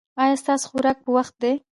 ایا ستاسو خوراک په وخت دی؟